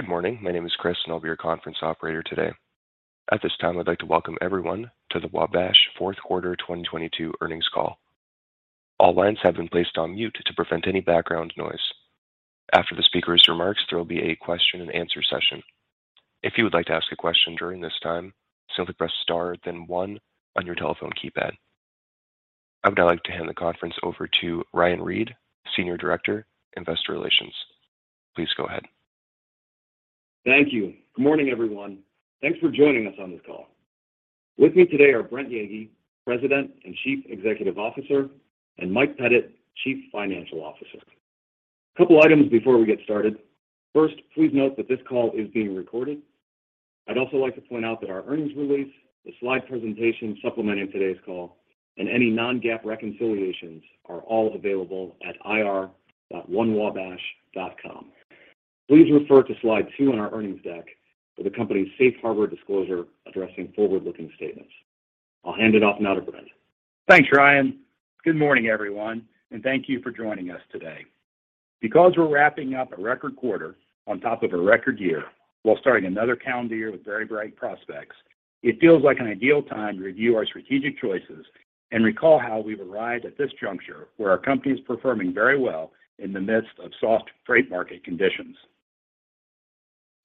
Good morning. My name is Chris. I'll be your conference operator today. At this time, I'd like to welcome everyone to the Wabash Q4 2022 earnings call. All lines have been placed on mute to prevent any background noise. After the speaker's remarks, there will be a question and answer session. If you would like to ask a question during this time, simply press * then 1 on your telephone keypad. I would now like to hand the conference over to Ryan Reed, Senior Director, Investor Relations. Please go ahead. Thank you. Good morning, everyone. Thanks for joining us on this call. With me today are Brent Yeagy, President and Chief Executive Officer, and Mike Pettit, Chief Financial Officer. A couple items before we get started. 1st, please note that this call is being recorded. I'd also like to point out that our earnings release, the slide presentation supplementing today's call, and any non-GAAP reconciliations are all available at ir.onewabash.com. Please refer to slide 2 on our earnings deck for the company's safe harbor disclosure addressing forward-looking statements. I'll hand it off now to Brent. Thanks, Ryan. Good morning, everyone, and thank you for joining us today. Because we're wrapping up a record quarter on top of a record year while starting another calendar year with very bright prospects, it feels like an ideal time to review our strategic choices and recall how we've arrived at this juncture where our company is performing very well in the midst of soft freight market conditions.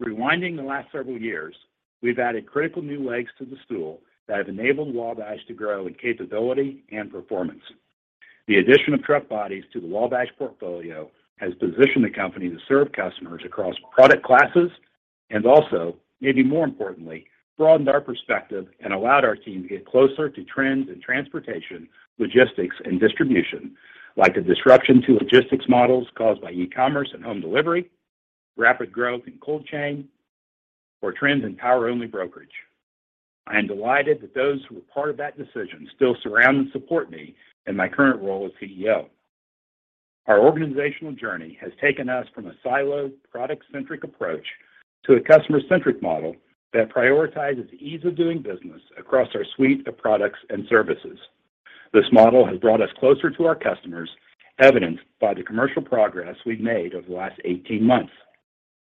Rewinding the last several years, we've added critical new legs to the stool that have enabled Wabash to grow in capability and performance. The addition of truck bodies to the Wabash portfolio has positioned the company to serve customers across product classes, and also, maybe more importantly, broadened our perspective and allowed our team to get closer to trends in transportation, logistics, and distribution, like the disruption to logistics models caused by e-commerce and home delivery, rapid growth in cold chain, or trends in power-only brokerage. I am delighted that those who were part of that decision still surround and support me in my current role as CEO. Our organizational journey has taken us from a siloed, product-centric approach to a customer-centric model that prioritizes ease of doing business across our suite of products and services. This model has brought us closer to our customers, evidenced by the commercial progress we've made over the last 18 months.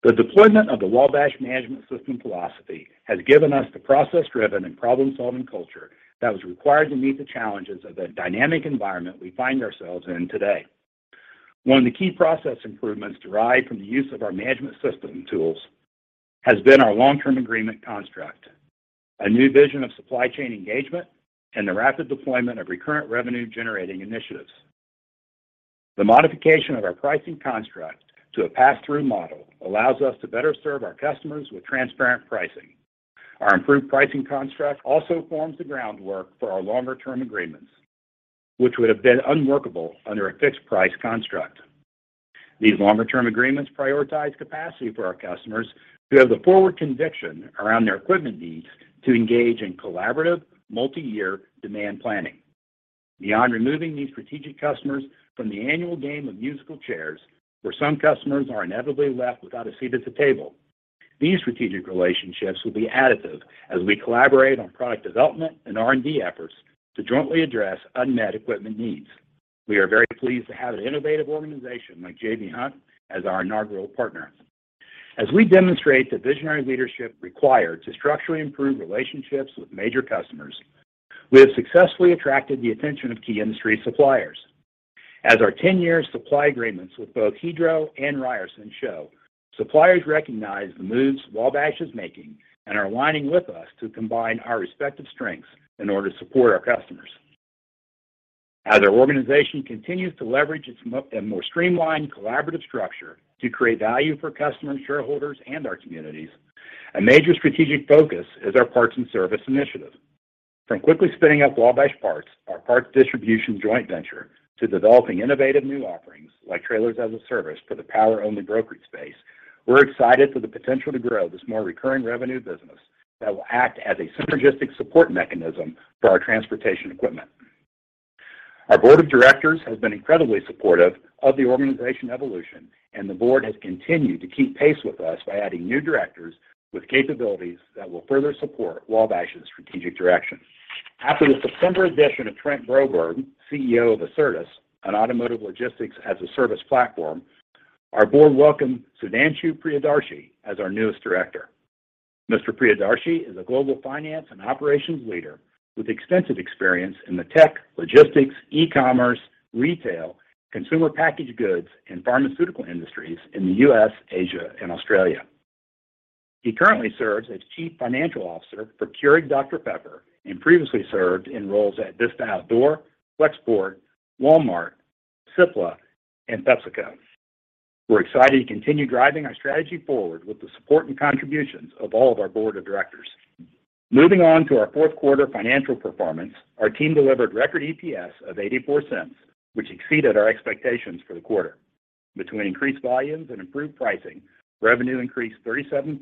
The deployment of the Wabash Management System philosophy has given us the process-driven and problem-solving culture that was required to meet the challenges of the dynamic environment we find ourselves in today. 1 of the key process improvements derived from the use of our management system tools has been our Long-Term Agreement construct, a new vision of supply chain engagement, and the rapid deployment of recurrent revenue-generating initiatives. The modification of our pricing construct to a pass-through model allows us to better serve our customers with transparent pricing. Our improved pricing construct also forms the groundwork for our longer-term Agreements, which would have been unworkable under a fixed-price construct. These longer-term Agreements prioritize capacity for our customers who have the forward conviction around their equipment needs to engage in collaborative, multi-year demand planning. Beyond removing these strategic customers from the annual game of musical chairs, where some customers are inevitably left without a seat at the table, these strategic relationships will be additive as we collaborate on product development and R&D efforts to jointly address unmet equipment needs. We are very pleased to have an innovative organization like J.B. Hunt as our inaugural partner. As we demonstrate the visionary leadership required to structurally improve relationships with major customers, we have successfully attracted the attention of key industry suppliers. As our 10-year supply agreements with both Hydro and Ryerson show, suppliers recognize the moves Wabash is making and are aligning with us to combine our respective strengths in order to support our customers. As our organization continues to leverage its a more streamlined, collaborative structure to create value for customers, shareholders, and our communities, a major strategic focus is our parts and service initiative. From quickly spinning up Wabash Parts, our parts distribution joint venture, to developing innovative new offerings like Trailers as a Service for the power-only brokerage space, we're excited for the potential to grow this more recurring revenue business that will act as a synergistic support mechanism for our transportation equipment. Our board of directors has been incredibly supportive of the organization evolution, the board has continued to keep pace with us by adding new directors with capabilities that will further support Wabash's strategic direction. After the September addition of Trent Broberg, CEO of ACERTUS, an automotive logistics as a service platform, our board welcomed Sudhanshu Priyadarshi as our newest director. Mr. Priyadarshi is a global finance and operations leader with extensive experience in the tech, logistics, e-commerce, retail, consumer packaged goods, and pharmaceutical industries in the U.S., Asia, and Australia. He currently serves as Chief Financial Officer for Keurig Dr Pepper and previously served in roles at Vista Outdoor, Flexport, Walmart, Cipla, and PepsiCo. We're excited to continue driving our strategy forward with the support and contributions of all of our board of directors. Moving on to our Q4 financial performance, our team delivered record EPS of $0.84, which exceeded our expectations for the quarter. Between increased volumes and improved pricing, revenue increased 37%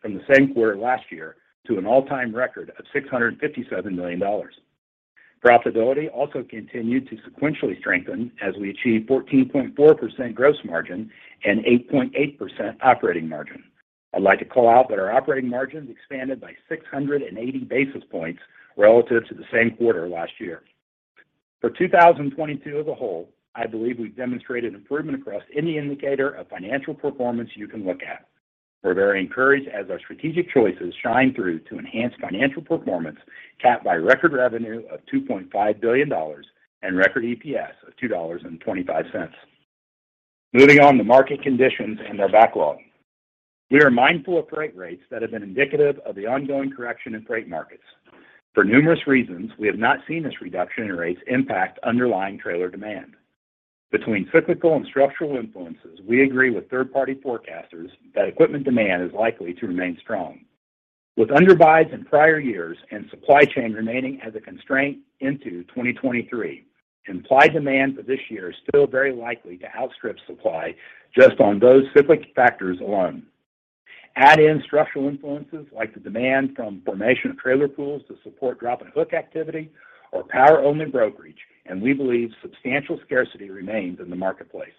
from the same quarter last year to an all-time record of $657 million. Profitability also continued to sequentially strengthen as we achieved 14.4% gross margin and 8.8% operating margin. I'd like to call out that our operating margins expanded by 680 basis points relative to the same quarter last year. For 2022 as a whole, I believe we've demonstrated improvement across any indicator of financial performance you can look at. We're very encouraged as our strategic choices shine through to enhance financial performance, capped by record revenue of $2.5 billion and record EPS of $2.25. Moving on to market conditions and their backlog. We are mindful of freight rates that have been indicative of the ongoing correction in freight markets. For numerous reasons, we have not seen this reduction in rates impact underlying trailer demand. Between cyclical and structural influences, we agree with third-party forecasters that equipment demand is likely to remain strong. With underbids in prior years and supply chain remaining as a constraint into 2023, implied demand for this year is still very likely to outstrip supply just on those cyclic factors alone. Add in structural influences like the demand from formation of trailer pools to support drop-and-hook activity or power-only brokerage, we believe substantial scarcity remains in the marketplace.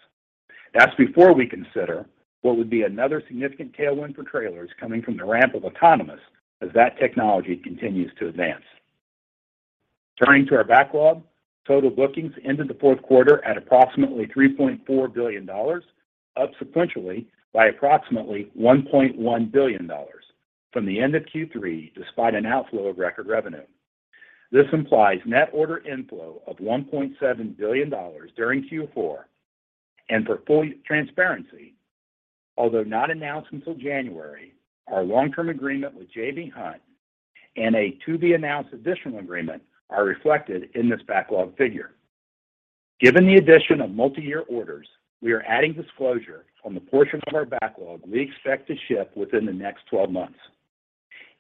That's before we consider what would be another significant tailwind for trailers coming from the ramp of autonomous as that technology continues to advance. Turning to our backlog, total bookings ended the Q4 at approximately $3.4 billion, up sequentially by approximately $1.1 billion from the end of Q3, despite an outflow of record revenue. This implies net order inflow of $1.7 billion during Q4. For full transparency, although not announced until January, our Long-Term Agreement with J.B. Hunt and a to-be-announced additional agreement are reflected in this backlog figure. Given the addition of multi-year orders, we are adding disclosure on the portion of our backlog we expect to ship within the next 12 months.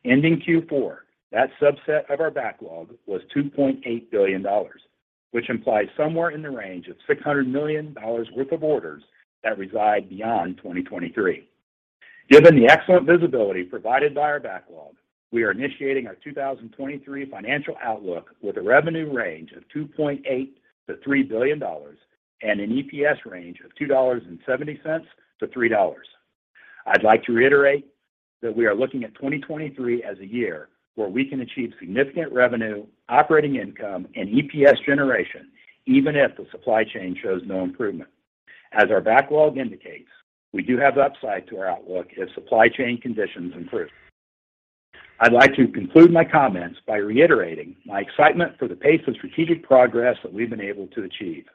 Ending Q4, that subset of our backlog was $2.8 billion, which implies somewhere in the range of $600 million worth of orders that reside beyond 2023. Given the excellent visibility provided by our backlog, we are initiating our 2023 financial outlook with a revenue range of $2.8 billion to $3 billion and an EPS range of $2.70 to $3.00. I'd like to reiterate that we are looking at 2023 as a year where we can achieve significant revenue, operating income, and EPS generation, even if the supply chain shows no improvement. As our backlog indicates, we do have upside to our outlook if supply chain conditions improve. I'd like to conclude my comments by reiterating my excitement for the pace of strategic progress that we've been able to achieve.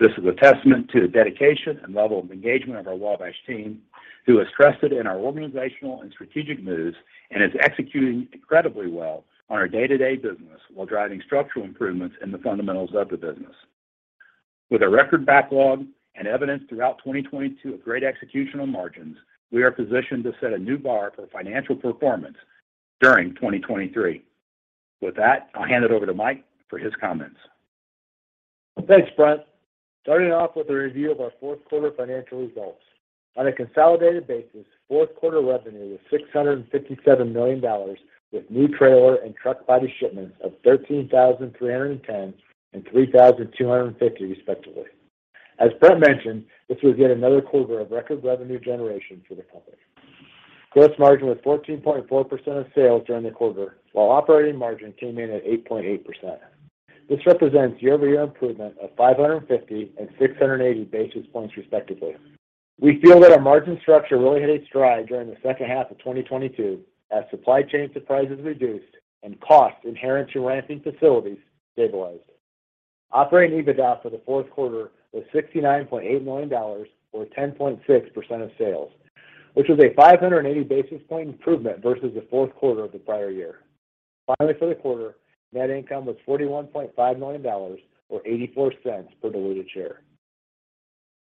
This is a testament to the dedication and level of engagement of our Wabash team, who has trusted in our organizational and strategic moves and is executing incredibly well on our day-to-day business while driving structural improvements in the fundamentals of the business. With a record backlog and evidence throughout 2022 of great execution on margins, we are positioned to set a new bar for financial performance during 2023. With that, I'll hand it over to Mike for his comments. Thanks, Brent. Starting off with a review of our Q4 financial results. On a consolidated basis, Q4 revenue was $657 million, with new trailer and truck body shipments of 13,310 and 3,250 respectively. As Brent mentioned, this was yet another quarter of record revenue generation for the company. Gross margin was 14.4% of sales during the quarter, while operating margin came in at 8.8%. This represents year-over-year improvement of 550 and 680 basis points respectively. We feel that our margin structure really hit its stride during the H2 of 2022 as supply chain surprises reduced and costs inherent to ramping facilities stabilized. Operating EBITDA for the Q4 was $69.8 million or 10.6% of sales, which was a 580 basis point improvement versus the Q4 of the prior year. For the quarter, net income was $41.5 million or $0.84 per diluted share.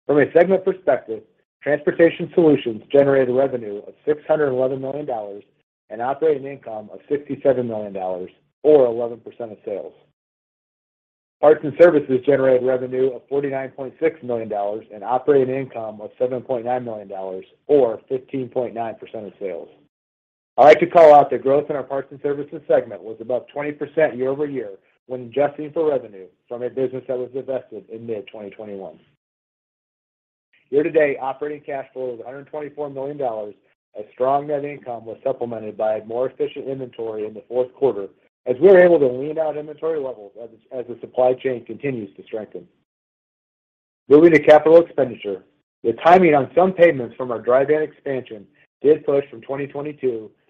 From a segment perspective, Transportation Solutions generated revenue of $611 million and operating income of $67 million or 11% of sales. Parts & Services generated revenue of $49.6 million and operating income of $7.9 million or 15.9% of sales. I'd like to call out the growth in our Parts & Services segment was above 20% year-over-year when adjusting for revenue from a business that was divested in mid-2021. Year-to-date, operating cash flow is $124 million as strong net income was supplemented by a more efficient inventory in the Q4 as we were able to lean out inventory levels as the supply chain continues to strengthen. Moving to capital expenditure, the timing on some payments from our dry van expansion did push from 2022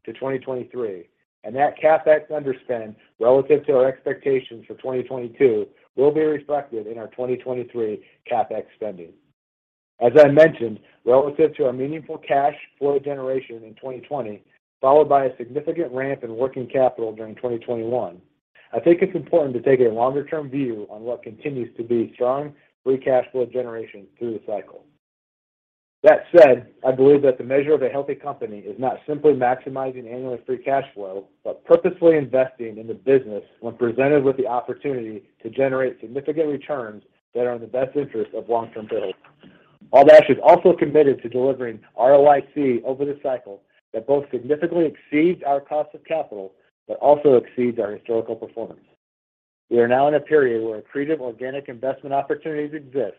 to 2023. That CapEx underspend relative to our expectations for 2022 will be reflected in our 2023 CapEx spending. As I mentioned, relative to our meaningful cash flow generation in 2020, followed by a significant ramp in working capital during 2021, I think it's important to take a longer-term view on what continues to be strong free cash flow generation through the cycle. That said, I believe that the measure of a healthy company is not simply maximizing annual free cash flow, but purposefully investing in the business when presented with the opportunity to generate significant returns that are in the best interest of long-term holders. Wabash is also committed to delivering ROIC over the cycle that both significantly exceeds our cost of capital but also exceeds our historical performance. We are now in a period where accretive organic investment opportunities exist.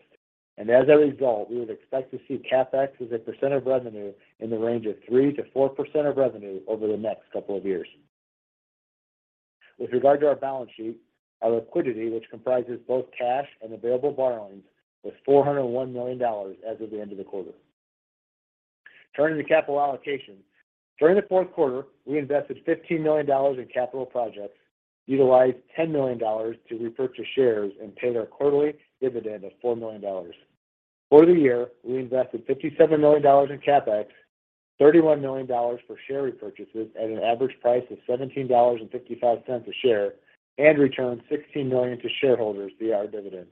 As a result, we would expect to see CapEx as a percent of revenue in the range of 3%-4% of revenue over the next couple of years. With regard to our balance sheet, our liquidity, which comprises both cash and available borrowings, was $401 million as of the end of the quarter. Turning to capital allocation. During the Q4, we invested $15 million in capital projects, utilized $10 million to repurchase shares and pay their quarterly dividend of $4 million. For the year, we invested $57 million in CapEx, $31 million for share repurchases at an average price of $17.55 a share, and returned $16 million to shareholders via our dividend.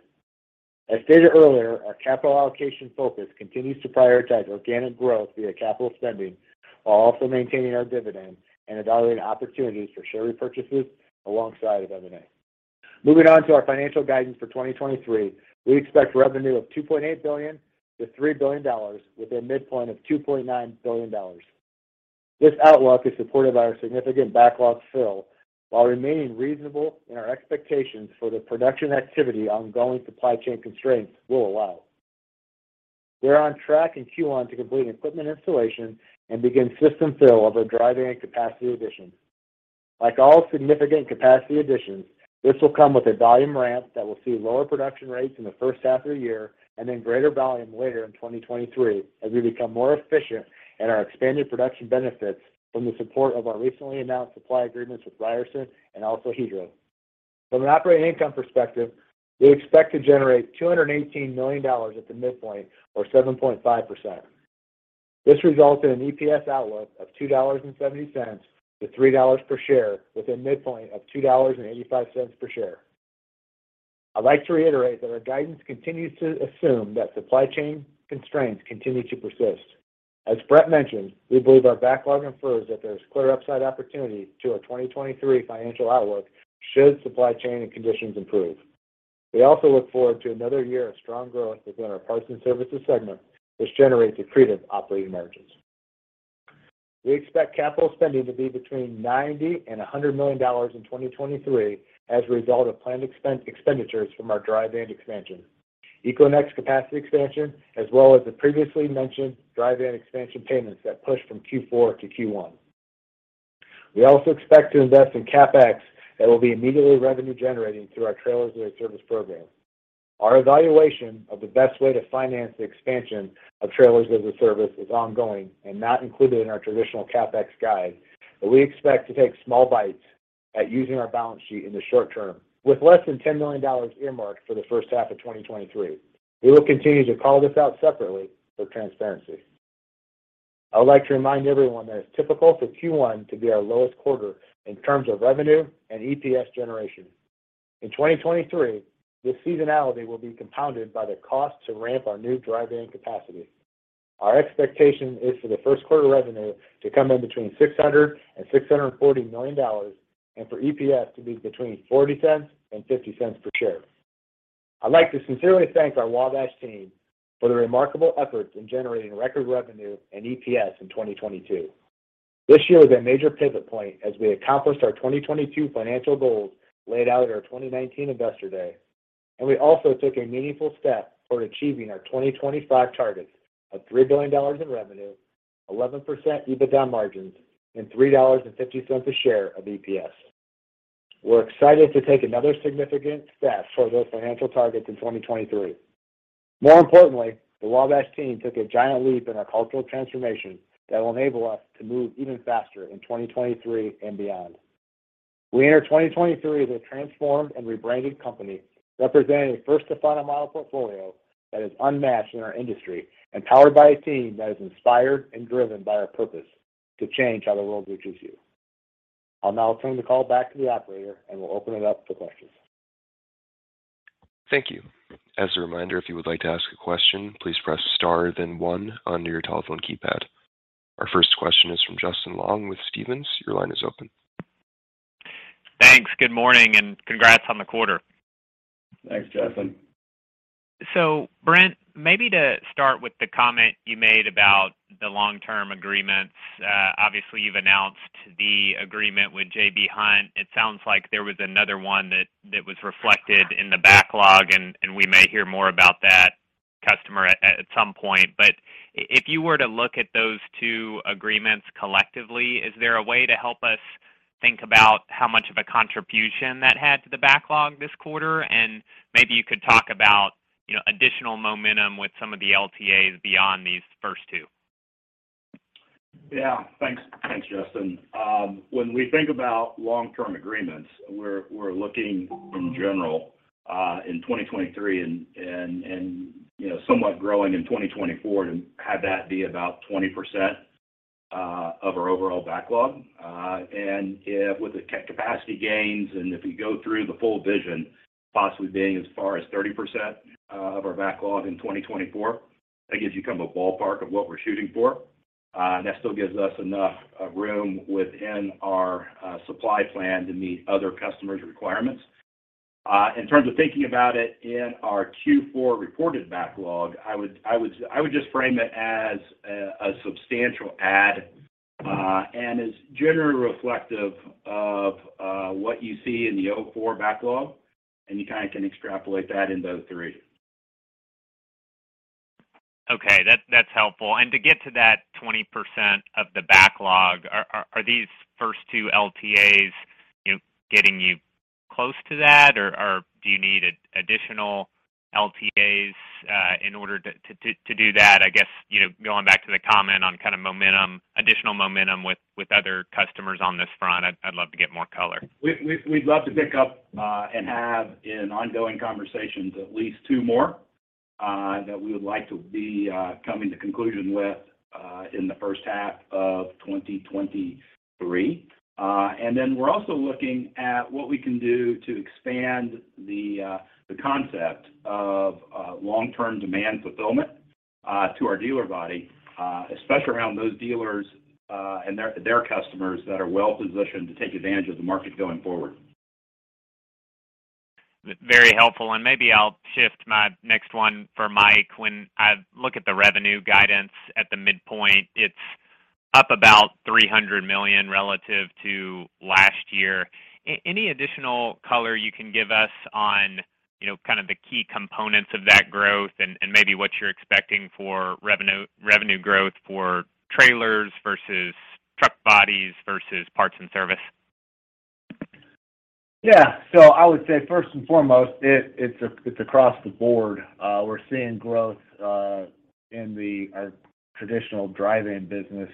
As stated earlier, our capital allocation focus continues to prioritize organic growth via capital spending, while also maintaining our dividend and evaluating opportunities for share repurchases alongside of M&A. Moving on to our financial guidance for 2023. We expect revenue of $2.8 billion to $3 billion with a midpoint of $2.9 billion. This outlook is supported by our significant backlog fill while remaining reasonable in our expectations for the production activity ongoing supply chain constraints will allow. We're on track in Q1 to complete an equipment installation and begin system fill of our dry van capacity addition. Like all significant capacity additions, this will come with a volume ramp that will see lower production rates in the H1 of the year and then greater volume later in 2023 as we become more efficient and our expanded production benefits from the support of our recently announced supply agreements with Ryerson and also Hydro. From an operating income perspective, we expect to generate $218 million at the midpoint or 7.5%. This results in an EPS outlook of $2.70-$3.00 per share with a midpoint of $2.85 per share. I'd like to reiterate that our guidance continues to assume that supply chain constraints continue to persist. As Brent mentioned, we believe our backlog infers that there's clear upside opportunity to our 2023 financial outlook should supply chain and conditions improve. We also look forward to another year of strong growth within our Parts & Services segment, which generates accretive operating margins. We expect capital spending to be between $90 million and $100 million in 2023 as a result of planned expenditures from our dry van expansion, EcoNex capacity expansion, as well as the previously mentioned dry van expansion payments that push from Q4 to Q1. We also expect to invest in CapEx that will be immediately revenue generating through our Trailers as a Service program. Our evaluation of the best way to finance the expansion of Trailers as a Service is ongoing and not included in our traditional CapEx guide, but we expect to take small bites at using our balance sheet in the short term with less than $10 million earmarked for the H1 of 2023. We will continue to call this out separately for transparency. I would like to remind everyone that it's typical for Q1 to be our lowest quarter in terms of revenue and EPS generation. In 2023, this seasonality will be compounded by the cost to ramp our new dry van capacity. Our expectation is for the Q1 revenue to come in between $600 million and $640 million and for EPS to be between $0.40 and $0.50 per share. I'd like to sincerely thank our Wabash team for the remarkable efforts in generating record revenue and EPS in 2022. This year was a major pivot point as we accomplished our 2022 financial goals laid out at our 2019 investor day, and we also took a meaningful step toward achieving our 2025 targets of $3 billion in revenue, 11% EBITDA margins, and $3.50 a share of EPS. We're excited to take another significant step toward those financial targets in 2023. More importantly, the Wabash team took a giant leap in our cultural transformation that will enable us to move even faster in 2023 and beyond. We enter 2023 as a transformed and rebranded company, representing a first-to-final model portfolio that is unmatched in our industry and powered by a team that is inspired and driven by our purpose to change how the world reaches you. I'll now turn the call back to the operator and will open it up for questions. Thank you. As a reminder, if you would like to ask a question, please press * then 1 on your telephone keypad. Our 1st question is from Justin Long with Stephens. Your line is open. Thanks. Good morning, and congrats on the quarter. Thanks, Justin. Brent Yeagy, maybe to start with the comment you made about the long-term agreements. obviously, you've announced the agreement with J.B. Hunt. It sounds like there was another 1 that was reflected in the backlog and we may hear more about that customer at some point. if you were to look at those 2 agreements collectively, is there a way to help us think about how much of a contribution that had to the backlog this quarter? Maybe you could talk about, you know, additional momentum with some of the LTAs beyond these first 2. Yeah. Thanks. Thanks, Justin. When we think about long-term agreements, we're looking in general, in 2023 and, you know, somewhat growing in 2024 to have that be about 20% of our overall backlog. With the capacity gains and if you go through the full vision, possibly being as far as 30% of our backlog in 2024, that gives you kind of a ballpark of what we're shooting for. That still gives us enough room within our supply plan to meet other customers' requirements. In terms of thinking about it in our Q4 reported backlog, I would just frame it as a substantial add. Is generally reflective of what you see in the O4 backlog, and you kind of can extrapolate that into O3. Okay. That's helpful. To get to that 20% of the backlog, are these first 2 LTAs, you know, getting you close to that or do you need additional LTAs in order to do that? I guess, you know, going back to the comment on kind of momentum, additional momentum with other customers on this front. I'd love to get more color. We'd love to pick up and have in ongoing conversations at least 2 more that we would like to be coming to conclusion with in the H1 of 2023. We're also looking at what we can do to expand the concept of long-term demand fulfillment to our dealer body especially around those dealers and their customers that are well-positioned to take advantage of the market going forward. Very helpful. Maybe I'll shift my next 1 for Mike. When I look at the revenue guidance at the midpoint, it's up about $300 million relative to last year. Any additional color you can give us on, you know, kind of the key components of that growth and maybe what you're expecting for revenue growth for trailers versus truck bodies versus Parts & Services? I would say first and foremost, it's across the board. We're seeing growth in our traditional dry van business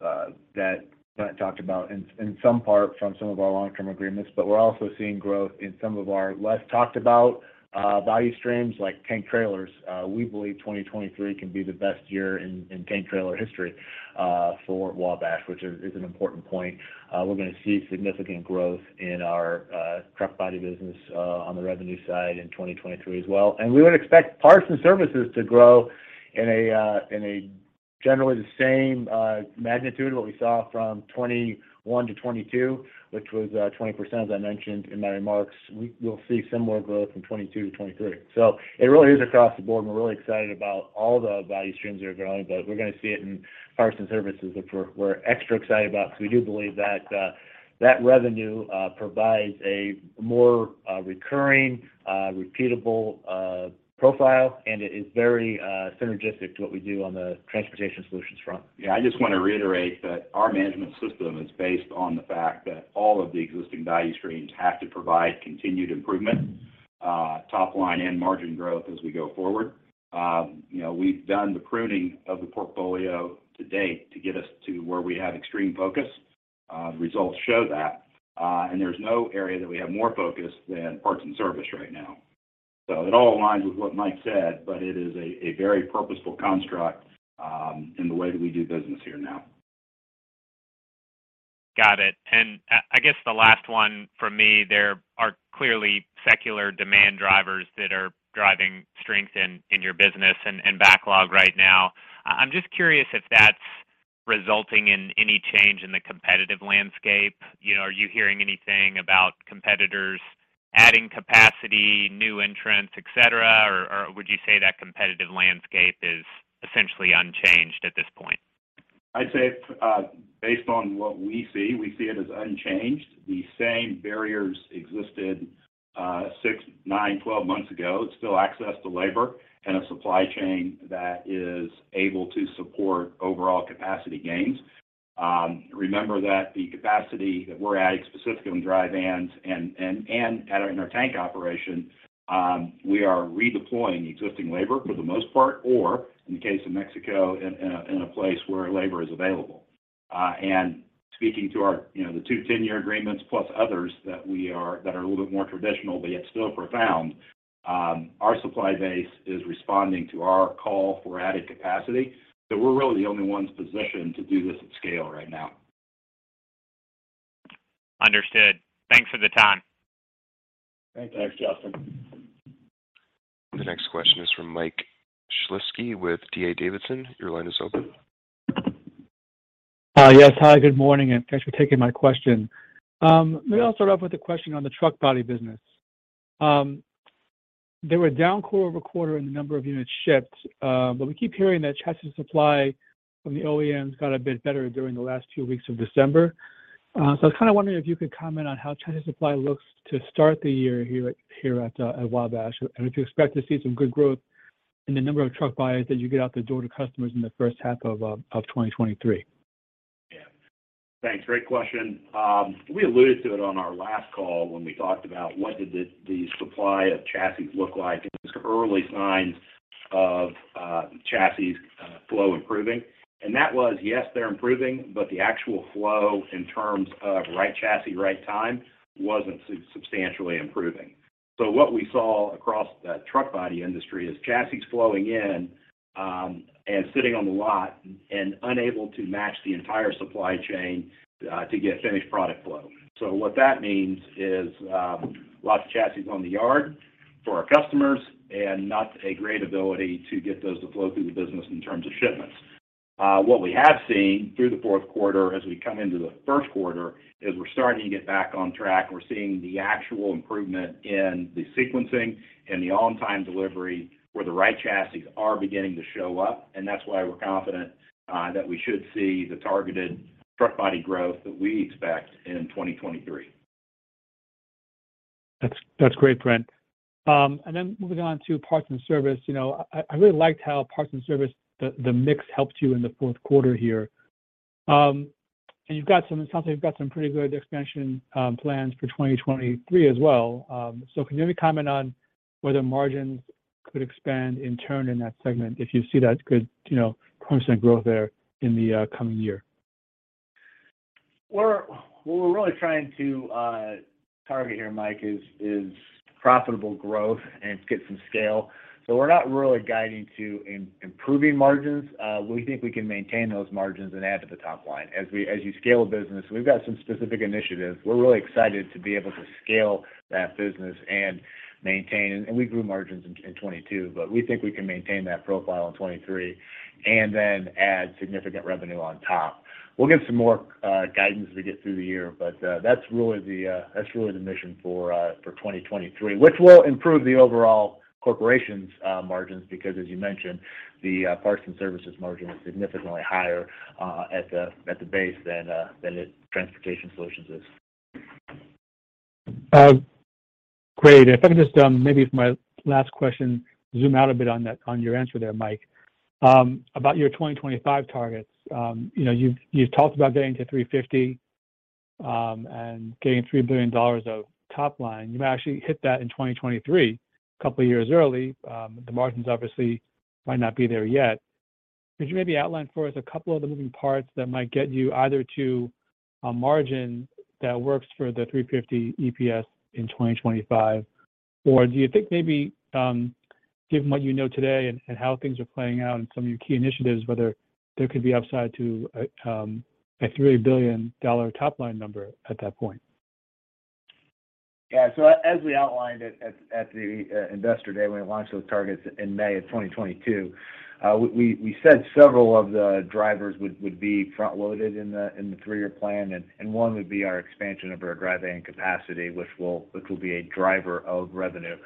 that Brent talked about in some part from some of our long-term agreements. We're also seeing growth in some of our less talked about value streams like tank trailers. We believe 2023 can be the best year in tank trailer history for Wabash, which is an important point. We're gonna see significant growth in our truck body business on the revenue side in 2023 as well. We would expect Parts & Services to grow in a generally the same magnitude of what we saw from 2021 to 2022, which was 20% as I mentioned in my remarks. We'll see similar growth from 2022 to 2023. It really is across the board. We're really excited about all the value streams that are growing, we're gonna see it in Parts & Services, which we're extra excited about because we do believe that revenue provides a more recurring repeatable profile, and it is very synergistic to what we do on the Transportation Solutions front. Yeah. I just want to reiterate that our Wabash Management System is based on the fact that all of the existing value streams have to provide continued improvement, top line and margin growth as we go forward. You know, we've done the pruning of the portfolio to date to get us to where we have extreme focus. The results show that. And there's no area that we have more focus than Parts & Services right now. It all aligns with what Mike said, but it is a very purposeful construct in the way that we do business here now. Got it. I guess the last 1 from me, there are clearly secular demand drivers that are driving strength in your business and backlog right now. I'm just curious if that's resulting in any change in the competitive landscape. You know, are you hearing anything about competitors adding capacity, new entrants, et cetera? Or would you say that competitive landscape is essentially unchanged at this point? I'd say, based on what we see, we see it as unchanged. The same barriers existed, 6, 9, 12 months ago. It's still access to labor and a supply chain that is able to support overall capacity gains. Remember that the capacity that we're adding specifically on dry vans and in our tank operation, we are redeploying existing labor for the most part, or in the case of Mexico, in a place where labor is available. Speaking to our, you know, the 2 10-year agreements plus others that are a little bit more traditional but yet still profound, our supply base is responding to our call for added capacity. We're really the only ones positioned to do this at scale right now. Understood. Thanks for the time. Thanks. Thanks, Justin. The next question is from Mike Shlisky with D.A. Davidson. Your line is open. Morning, and thanks for taking my question. Maybe I'll start off with a question on the truck body business. They were down quarter-over-quarter in the number of units shipped, but we keep hearing that chassis supply from the OEMs got a bit better during the last 2 weeks of December. So I was kind of wondering if you could comment on how chassis supply looks to start the year here at Wabash, and if you expect to see some good growth in the number of truck bodies that you get out the door to customers in the H1 of 2023. Yeah. Thanks. Great question. We alluded to it on our last call when we talked about what did the supply of chassis look like and some early signs of chassis flow improving. That was, yes, they're improving, but the actual flow in terms of right chassis, right time wasn't substantially improving. What we saw across the truck body industry is chassis flowing in and sitting on the lot and unable to match the entire supply chain to get finished product flow. What that means is lots of chassis on the yard for our customers and not a great ability to get those to flow through the business in terms of shipments. What we have seen through the Q4 as we come into the Q1 is we're starting to get back on track. We're seeing the actual improvement in the sequencing and the on-time delivery where the right chassis are beginning to show up, and that's why we're confident, that we should see the targeted truck body growth that we expect in 2023. That's great, Brent. Then moving on to Parts & Services. You know, I really liked how Parts & Services, the mix helped you in the Q4 here. You've got some pretty good expansion, plans for 2023 as well. Can you maybe comment on whether margins could expand in turn in that segment if you see that good, you know, constant growth there in the coming year? What we're really trying to target here, Mike, is profitable growth and get some scale. We're not really guiding to improving margins. We think we can maintain those margins and add to the top line as you scale a business. We've got some specific initiatives. We're really excited to be able to scale that business and maintain. We grew margins in 2022, but we think we can maintain that profile in 2023 and then add significant revenue on top. We'll give some more guidance as we get through the year. That's really the mission for 2023, which will improve the overall corporation's margins because, as you mentioned, the Parts & Services margin is significantly higher at the base than the Transportation Solutions is. Great. If I can just, maybe for my last question, zoom out a bit on that, on your answer there, Mike. About your 2025 targets. You know, you talked about getting to $3.50, and getting $3 billion of top line. You may actually hit that in 2023, a couple of years early. The margins obviously might not be there yet. Could you maybe outline for us a couple of the moving parts that might get you either to a margin that works for the $3.50 EPS in 2025, or do you think maybe, given what you know today and how things are playing out in some of your key initiatives, whether there could be upside to a $3 billion top line number at that point? As we outlined at the Investor Day when we launched those targets in May of 2022, we said several of the drivers would be front-loaded in the 3-year plan, and 1 would be our expansion of our dry van capacity, which will be a driver of revenue.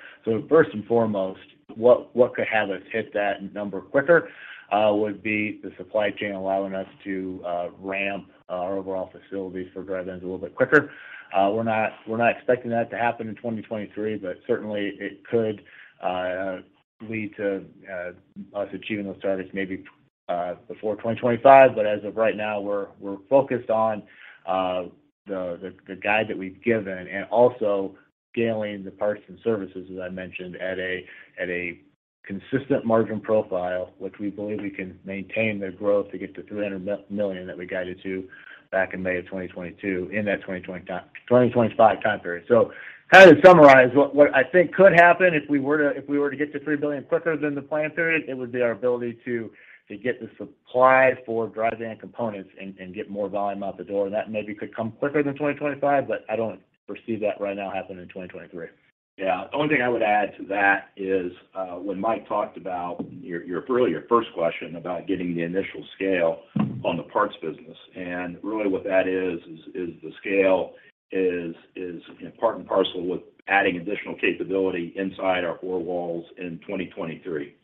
First and foremost, what could have us hit that number quicker, would be the supply chain allowing us to ramp our overall facilities for dry vans a little bit quicker. We're not expecting that to happen in 2023, but certainly it could lead to us achieving those targets maybe before 2025. As of right now, we're focused on the guide that we've given and also scaling the Parts & Services, as I mentioned, at a consistent margin profile, which we believe we can maintain the growth to get to $300 million that we guided to back in May 2022 in that 2025 time period. How to summarize what I think could happen if we were to get to $3 billion quicker than the plan period, it would be our ability to get the supply for dry van components and get more volume out the door. That maybe could come quicker than 2025, but I don't foresee that right now happening in 2023. Yeah. The only thing I would add to that is, when Mike talked about your earlier 1st question about getting the initial scale on the parts business, really what that is, the scale is, you know, part and parcel with adding additional capability inside our 4 walls in 2023.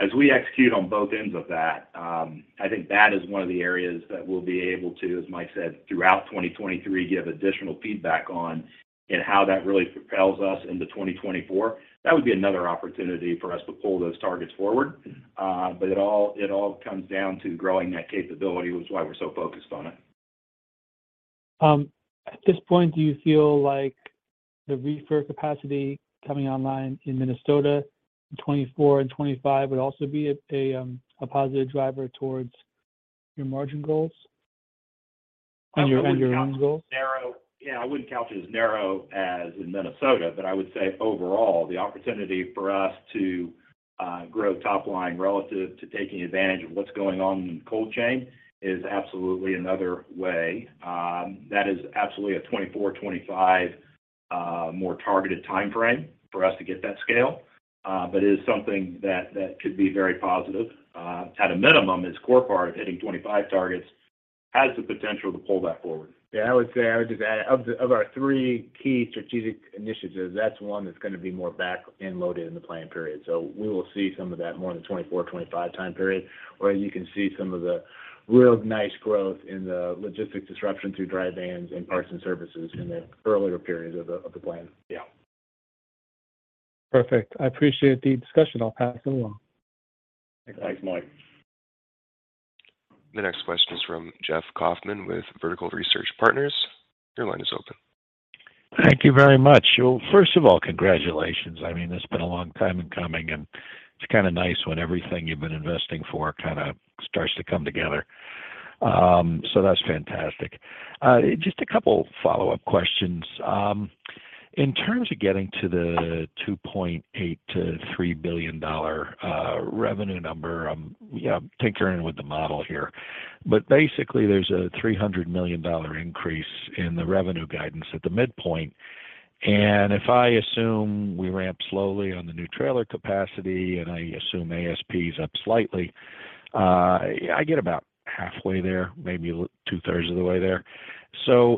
As we execute on both ends of that, I think that is 1 of the areas that we'll be able to, as Mike said, throughout 2023, give additional feedback on in how that really propels us into 2024. That would be another opportunity for us to pull those targets forward. It all, it all comes down to growing that capability, which is why we're so focused on it. At this point, do you feel like the reefer capacity coming online in Minnesota in 2024 and 2025 would also be a positive driver towards your margin goals and your earnings goals? I wouldn't count it as narrow. I wouldn't count it as narrow as in Minnesota, but I would say overall, the opportunity for us to grow top line relative to taking advantage of what's going on in cold chain is absolutely another way. That is absolutely a 2024, 2025 more targeted timeframe for us to get that scale, but it is something that could be very positive. At a minimum, as core part hitting 25 targets has the potential to pull that forward. Yeah, I would say, I would just add, of the, of our 3 key strategic initiatives, that's 1 that's gonna be more back-end loaded in the plan period. We will see some of that more in the 2024, 2025 time period, where you can see some of the real nice growth in the logistics disruption through dry vans and Parts & Services in the earlier periods of the, of the plan. Yeah. Perfect. I appreciate the discussion. I'll pass it along. Thanks, Mike. The next question is from Jeff Kauffman with Vertical Research Partners. Your line is open. Thank you very much. Well, first of all, congratulations. I mean, it's been a long time in coming, and it's kinda nice when everything you've been investing for kinda starts to come together. So that's fantastic. Just a couple follow-up questions. In terms of getting to the $2.8 billion to $3 billion revenue number, yeah, tinkering with the model here. Basically, there's a $300 million increase in the revenue guidance at the midpoint. If I assume we ramp slowly on the new trailer capacity and I assume ASP is up slightly, I get about halfway there, maybe 2/3 of the way there.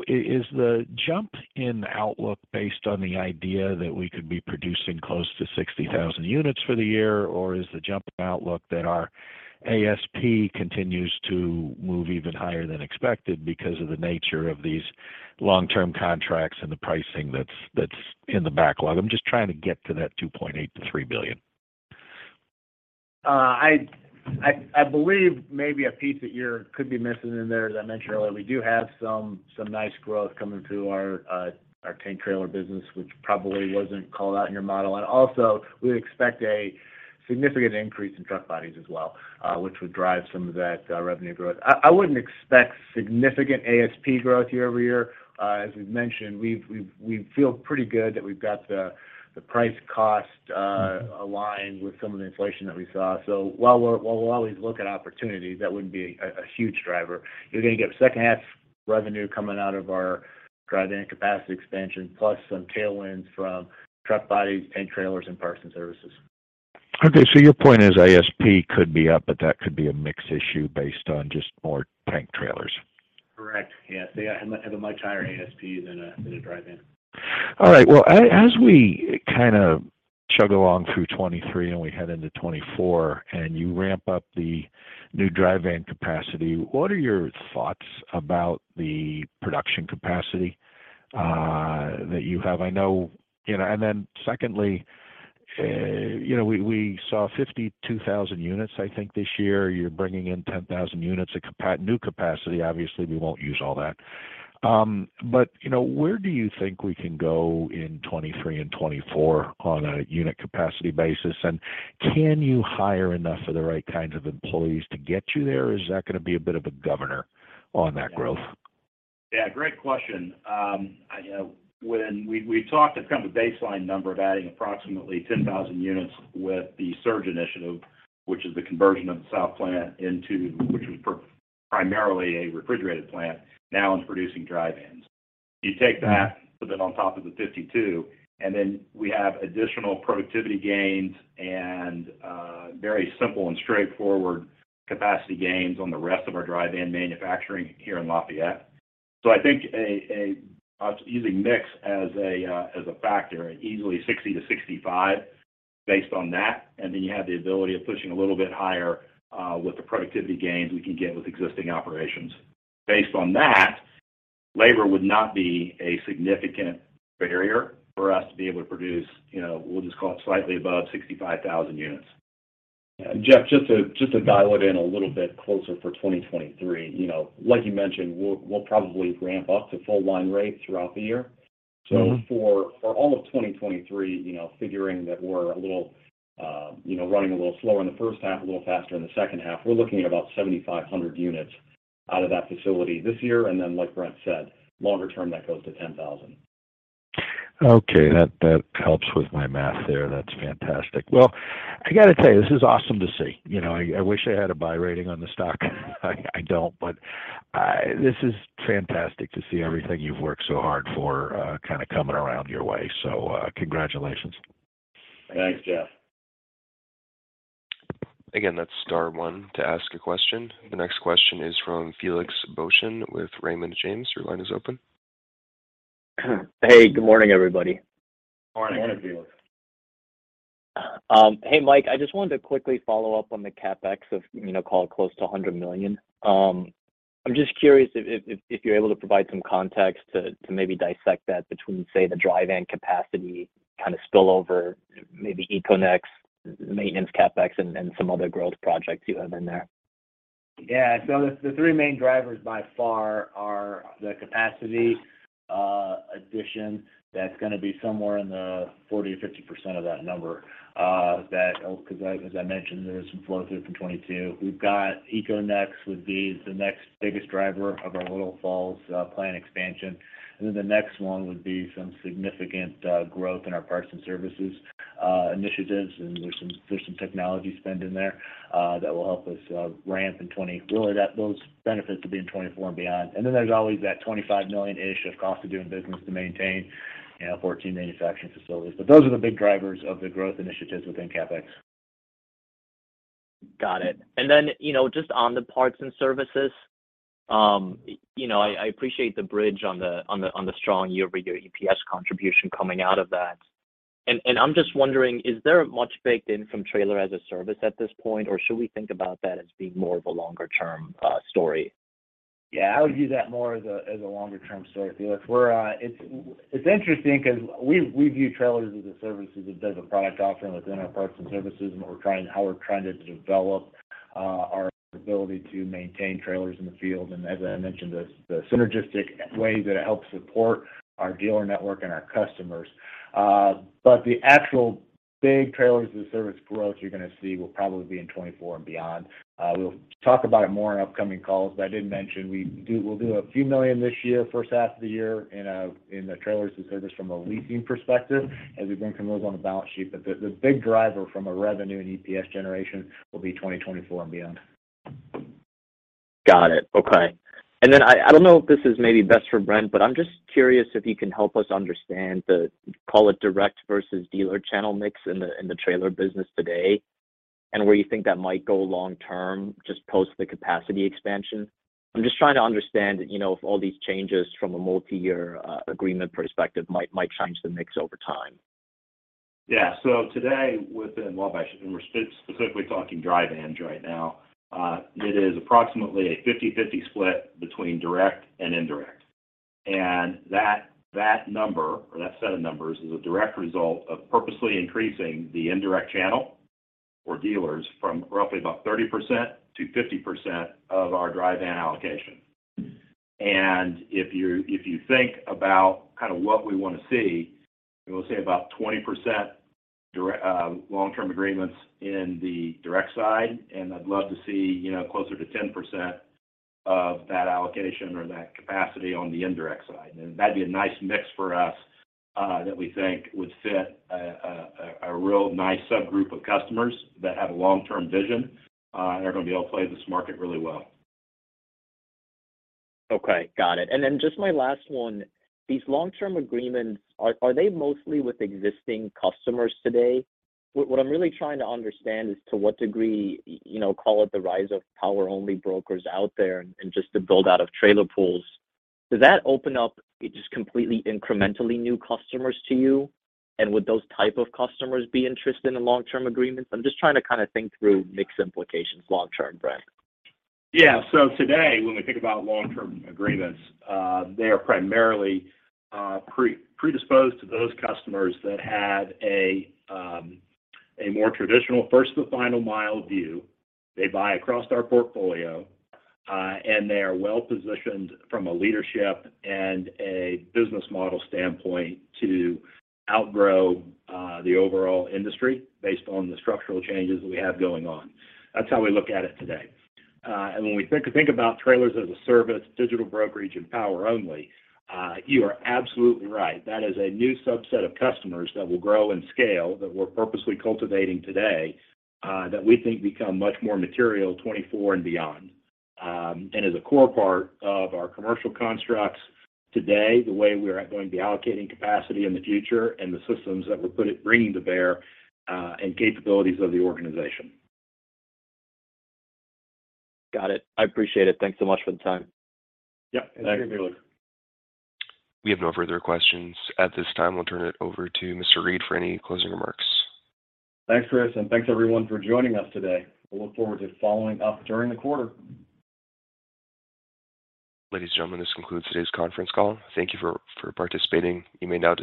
Is the jump in outlook based on the idea that we could be producing close to 60,000 units for the year? Is the jump in outlook that our ASP continues to move even higher than expected because of the nature of these long-term contracts and the pricing that's in the backlog? I'm just trying to get to that $2.8 billion to $3 billion. I believe maybe a piece that could be missing in there, as I mentioned earlier, we do have some nice growth coming through our tank trailer business, which probably wasn't called out in your model. Also, we expect a significant increase in truck bodies as well, which would drive some of that revenue growth. I wouldn't expect significant ASP growth year-over-year. As we've mentioned, we feel pretty good that we've got the price cost aligned with some of the inflation that we saw. While we'll always look at opportunities, that wouldn't be a huge driver. You're gonna get H2 revenue coming out of our dry van capacity expansion, plus some tailwinds from truck bodies, paint trailers, and Parts & Services. Okay. Your point is ASP could be up, but that could be a mix issue based on just more tank trailers. Correct. Yeah. They have a much higher ASP than a dry van. All right. Well, as we kind of chug along through 2023 and we head into 2024, you ramp up the new dry van capacity, what are your thoughts about the production capacity that you have? You know, and then secondly, you know, we saw 52,000 units, I think, this year. You're bringing in 10,000 units of new capacity. Obviously, we won't use all that. But, you know, where do you think we can go in 2023 and 2024 on a unit capacity basis? Can you hire enough of the right kinds of employees to get you there, or is that gonna be a bit of a governor on that growth? Yeah. Great question. You know, when we talked, it's kind of a baseline number of adding approximately 10,000 units with the surge initiative, which is the conversion of the south plant into which was primarily a refrigerated plant, now it's producing dry vans. You take that, put that on top of the 52, and then we have additional productivity gains and very simple and straightforward capacity gains on the rest of our dry van manufacturing here in Lafayette. I think a using mix as a factor, easily 60-65 based on that, and then you have the ability of pushing a little bit higher with the productivity gains we can get with existing operations. Based on that, labor would not be a significant barrier for us to be able to produce, you know, we'll just call it slightly above 65,000 units. Jeff, just to dial it in a little bit closer for 2023, you know, like you mentioned, we'll probably ramp up to full line rate throughout the year. Mm-hmm. For all of 2023, you know, figuring that we're a little, you know, running a little slower in the H1, a little faster in the H2, we're looking at about 7,500 units out of that facility this year. Like Brent said, longer term, that goes to 10,000. Okay. That helps with my math there. That's fantastic. I gotta tell you, this is awesome to see. You know, I wish I had a buy rating on the stock. I don't. This is fantastic to see everything you've worked so hard for, kind of coming around your way. Congratulations. Thanks, Jeff. Again, that's * 1 to ask a question. The next question is from Felix Boeschen with Raymond James. Your line is open. Hey, good morning, everybody. Morning. Morning, Felix. Hey, Mike, I just wanted to quickly follow up on the CapEx of, you know, call it close to $100 million. I'm just curious if you're able to provide some context to maybe dissect that between, say, the dry van capacity kind of spill over, maybe EcoNex maintenance CapEx and some other growth projects you have in there. The 3 main drivers by far are the capacity addition that's gonna be somewhere in the 40%-50% of that number. As I mentioned, there's some flow through from 2022. We've got EcoNex would be the next biggest driver of our Little Falls plant expansion. The next one would be some significant growth in our Parts & Services initiatives, and there's some technology spend in there that will help us ramp in 2020. Really, those benefits will be in 2024 and beyond. There's always that $25 million-ish of cost of doing business to maintain, you know, 14 manufacturing facilities. Those are the big drivers of the growth initiatives within CapEx. Got it. Then, you know, just on the Parts & Services, you know, I appreciate the bridge on the strong year-over-year EPS contribution coming out of that. I'm just wondering, is there much baked in from Trailers as a Service at this point, or should we think about that as being more of a longer-term story? Yeah. I would view that more as a longer term story, Felix. We're. It's interesting because we view Trailers as a Service as a different product offering within our Parts & Services and how we're trying to develop our ability to maintain trailers in the field. As I mentioned, the synergistic way that it helps support our dealer network and our customers. The actual big Trailers as a Service growth you're going to see will probably be in '24 and beyond. We'll talk about it more in upcoming calls, but I did mention we'll do a few million this year, H1 of the year in the Trailers as a Service from a leasing perspective as we bring some of those on the balance sheet. The big driver from a revenue and EPS generation will be 2024 and beyond. Got it. Okay. Then I don't know if this is maybe best for Brent, but I'm just curious if you can help us understand the, call it direct versus dealer channel mix in the, in the trailer business today and where you think that might go long term, just post the capacity expansion. I'm just trying to understand, you know, if all these changes from a multi-year agreement perspective might change the mix over time. Yeah. Today within Wabash, and we're specifically talking dry vans right now, it is approximately a 50/50 split between direct and indirect. That number or that set of numbers is a direct result of purposely increasing the indirect channel for dealers from roughly about 30% to 50% of our dry van allocation. If you think about kind of what we want to see, we'll say about 20% long-term agreements in the direct side, and I'd love to see, you know, closer to 10% of that allocation or that capacity on the indirect side. That'd be a nice mix for us that we think would fit a real nice subgroup of customers that have a long-term vision and are going to be able to play this market really well. Okay. Got it. Then just my last 1. These long-term agreements, are they mostly with existing customers today? What I'm really trying to understand is to what degree, you know, call it the rise of power-only brokers out there and just the build-out of trailer pools. Does that open up just completely incrementally new customers to you? Would those type of customers be interested in long-term agreements? I'm just trying to kinda think through mix implications long term, Brent. Today, when we think about Long-Term Agreements, they are primarily predisposed to those customers that have a more traditional first to final mile view. They buy across our portfolio, and they are well-positioned from a leadership and a business model standpoint to outgrow the overall industry based on the structural changes that we have going on. That's how we look at it today. When we think about Trailers as a Service, digital brokerage, and power only, you are absolutely right. That is a new subset of customers that will grow and scale that we're purposely cultivating today, that we think become much more material 2024 and beyond. As a core part of our commercial constructs today, the way we are going to be allocating capacity in the future and the systems that we're bringing to bear and capabilities of the organization. Got it. I appreciate it. Thanks so much for the time. Yeah. Thanks. Thank you. We have no further questions. At this time, I'll turn it over to Mr. Reed for any closing remarks. Thanks, Chris. Thanks everyone for joining us today. We look forward to following up during the quarter. Ladies and gentlemen, this concludes today's conference call. Thank you for participating. You may now disconnect.